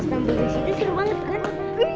sambil disitu seru banget kan